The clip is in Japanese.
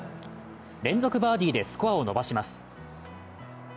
連続バーディーでスコアを伸ばします。